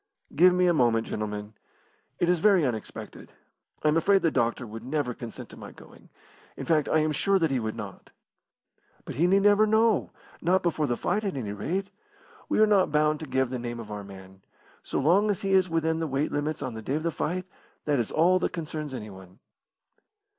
"Give me a moment, gentlemen. It is very unexpected. I am afraid the doctor would never consent to my going in fact, I am sure that he would not." "But he need never know not before the fight, at any rate. We are not bound to give the name of our man. So long as he is within the weight limits on the day of the fight, that is all that concerns anyone."